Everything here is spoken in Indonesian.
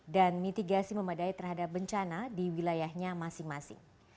dan mitigasi memadai terhadap bencana di wilayahnya masing masing